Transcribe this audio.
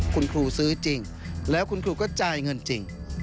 คุณครูซื้อจริงแล้วคุณครูก็จ่ายเงินจริง